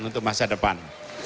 untuk masa depan